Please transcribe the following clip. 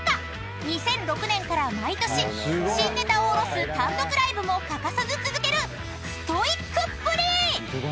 ２００６年から毎年新ネタを下ろす単独ライブも欠かさず続けるストイックっぷり！］